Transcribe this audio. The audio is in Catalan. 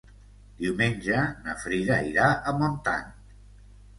Diumenge na Frida irà a Montant.